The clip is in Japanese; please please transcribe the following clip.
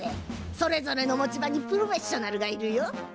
それぞれの持ち場にプロフェッショナルがいるよ。